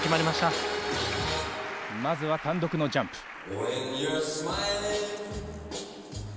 まずは単独のジャンプ。